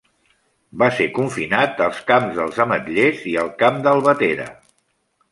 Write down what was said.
Va ser confinat als camps dels Ametllers i al camp d'Albatera.